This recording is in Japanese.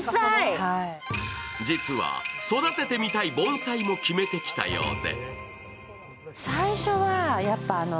実は育ててみたい盆栽も決めてきたようで。